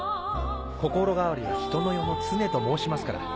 心変わりは人の世の常と申しますから。